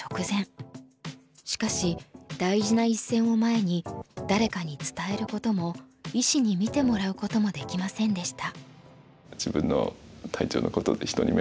しかし大事な一戦を前に誰かに伝えることも医師に診てもらうこともできませんでした。